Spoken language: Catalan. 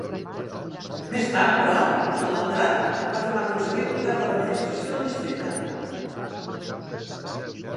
Més tard, però, el Landrat va tornar a aconseguir el poder de l'administració del districte.